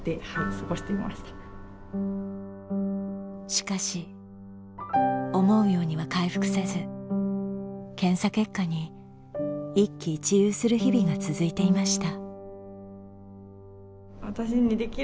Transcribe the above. しかし思うようには回復せず検査結果に一喜一憂する日々が続いていました。